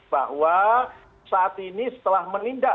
bahwa saat ini setelah menindak